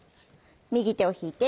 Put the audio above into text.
右手を引いて。